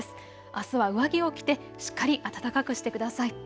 あすは上着を着てしっかり暖かくしてください。